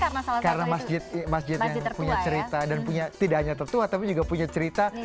salah karena masjid masjid yang punya cerita dan punya tidaknya tertua tapi juga punya cerita